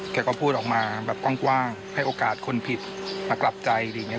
แกก็พูดออกมาแบบกว้างให้โอกาสคนผิดมากลับใจอะไรอย่างนี้